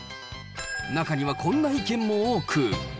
中にはこんな意見も多く。